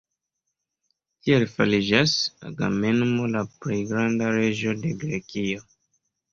Tiel fariĝas Agamemno la plej granda reĝo de Grekio.